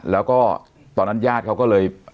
แล้วก็ตอนนั้นญาติเขาก็เลย